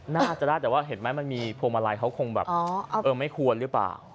น่าจะได้แต่ว่าเห็นไหมมันมีพวงมาลัยเขาคงแบบไม่ควรหรือเปล่า